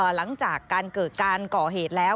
หลังจากการเกิดการก่อเหตุแล้ว